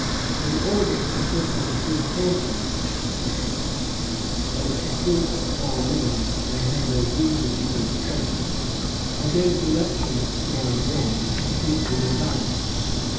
"In order to put on a good countenance," he says, "and convince our men they had no reason to be afraid, I gave directions to our drums to beat the reveille.